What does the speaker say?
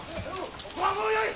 ここはもうよい！